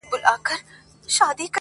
زما مرور فکر به څه لفظونه وشرنگوي.